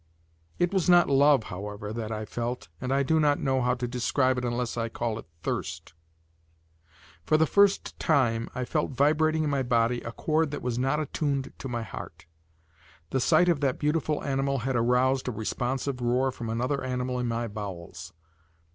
It was not love, however, that I felt, and I do not know how to describe it unless I call it thirst. For the first time I felt vibrating in my body a cord that was not attuned to my heart. The sight of that beautiful animal had aroused a responsive roar from another animal in my bowels.